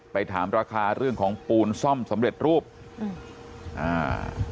ไปถามราคาเรื่องของปูนซ่อมสำเร็จรูปอืมอ่า